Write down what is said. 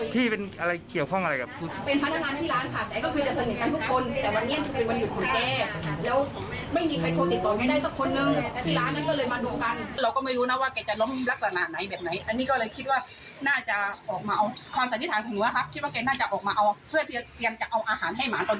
พี่ยังจะเอาอาหารให้หมาตอนเช้าและเขาก็จะเอามาไปทำงาน